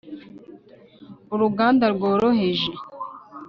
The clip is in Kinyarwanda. uruganda rworoheje